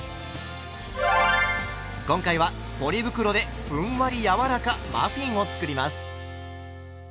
今回はポリ袋でふんわり柔らかマフィンを作ります。